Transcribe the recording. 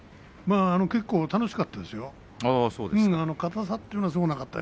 結構楽しかったですよ。